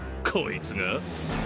こいつが？